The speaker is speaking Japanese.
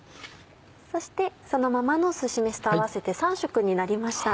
そしてそのままのすし飯と合わせて３色になりました。